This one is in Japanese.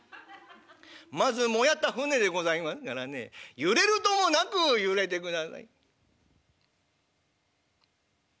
まず舫った舟でございますからね揺れるともなく揺れてください」。